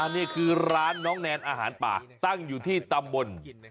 นี่คือร้านน้องแนนอาหารป่าตั้งอยู่ที่ตำบล